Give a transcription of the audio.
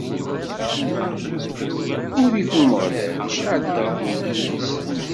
Urrif n Umeɣlal iceɛl-d ɣef ugdud-is.